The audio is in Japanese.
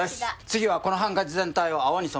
次はこのハンカチ全体を青に染めます。